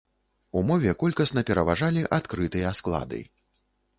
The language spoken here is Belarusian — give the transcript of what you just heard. У мове колькасна пераважалі адкрытыя склады.